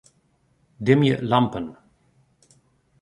Dimje lampen.